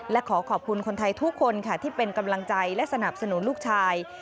และขอขอบคุณคนไทยทุกคนค่ะที่เป็นกำลังใจและสนับสนุนลูกชาย